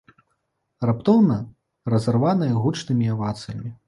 Раптоўна разарваная гучнымі авацыямі.